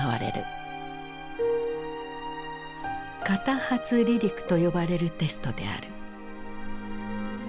片発離陸と呼ばれるテストである。